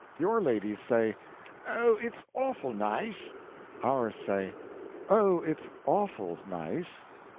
Your ladies say, 'Oh, it's oful nice!' Ours say, 'Oh, it's awful nice!'